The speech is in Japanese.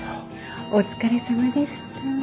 お疲れさまでした。